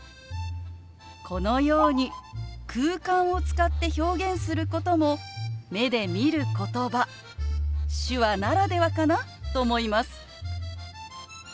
このように空間を使って表現することも目で見ることば手話ならではかなと思います。